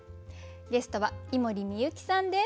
ゲストは井森美幸さんです。